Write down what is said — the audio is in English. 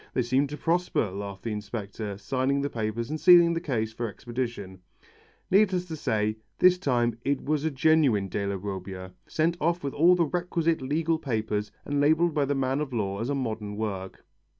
"They seem to prosper," laughed the inspector, signing the papers and sealing the case for expedition. Needless to explain, this time it was a genuine Della Robbia, sent off with all the requisite legal papers, and labelled by the man of law as a modern work.